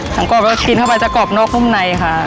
กรอบก็กินเข้าไปจะกรอบนอกนุ่มในค่ะ